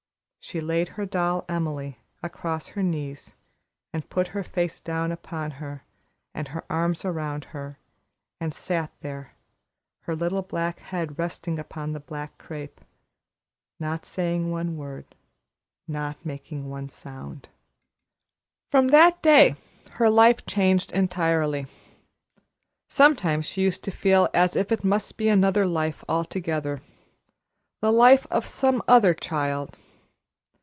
She laid her doll, Emily, across her knees, and put her face down upon her, and her arms around her, and sat there, her little black head resting on the black crape, not saying one word, not making one sound. From that day her life changed entirely. Sometimes she used to feel as if it must be another life altogether, the life of some other child.